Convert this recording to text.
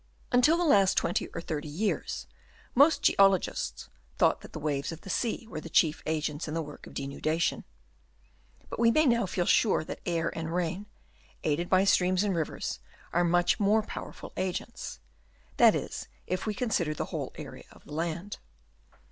Until the last twenty or thirty years, most geologists thought that the waves of the sea were the chief agents in the work of denuda tion ; but we may now feel sure that air and rain, aided by streams and rivers, are much more powerful agents, — that is if we consider the whole area of the land.